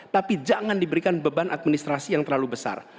tapi jangan diberikan beban administrasi yang terlalu besar